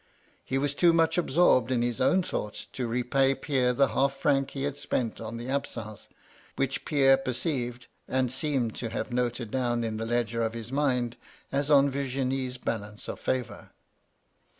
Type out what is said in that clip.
He was too much absorbed in his own thoughts to repay Pierre the half franc he had spent on the absinthe, which Pierre per • MY LADY LUDLOW. 157 ceived, and seems to have noted down in the ledger of his mind as on Virginie's balance of favour.